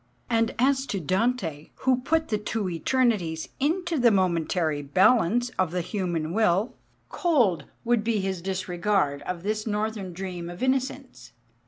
And as to Dante, who put the two eternities into the momentary balance of the human will, cold would be his disregard of this northern dream of innocence.